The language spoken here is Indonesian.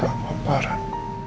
gak apa apa ren